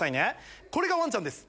これがワンちゃんです